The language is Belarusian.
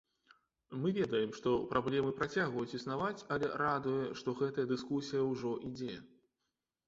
Мы ведаем, што праблемы працягваюць існаваць, але радуе, што гэтая дыскусія ўжо ідзе.